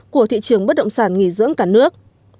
của thị trường bất động sản nghỉ dưỡng cả nước